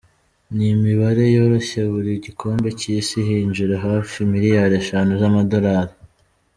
Ni imibare yoroshye, buri gikombe cy’Isi hinjira hafi miliyali eshanu z’amadolali.